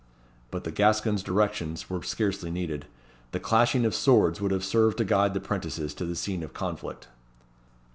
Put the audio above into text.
But the Gascon's directions were scarcely needed. The clashing of swords would have served to guide the 'prentices to the scene of conflict.